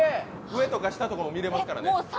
上とか下とかも見れますからね。